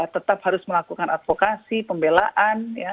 tetap harus melakukan advokasi pembelaan